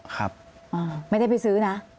ก็คลิปออกมาแบบนี้เลยว่ามีอาวุธปืนแน่นอน